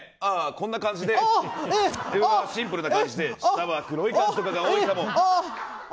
こんな感じで上はシンプルな感じで下は黒い感じとかが多いかも。